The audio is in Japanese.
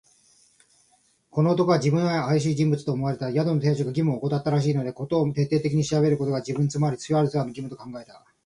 この男は自分にはあやしい人物と思われた。宿の亭主が義務をおこたったらしいので、事を徹底的に調べることが、自分、つまりシュワルツァーの義務と考えた。